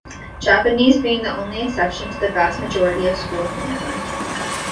Japanese being the only exception to the vast majority of schools in England.